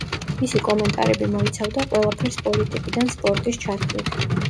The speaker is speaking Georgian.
მისი კომენტარები მოიცავდა ყველაფერს პოლიტიკიდან სპორტის ჩათვლით.